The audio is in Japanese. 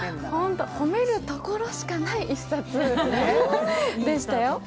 褒めるところしかない一冊でしたよ。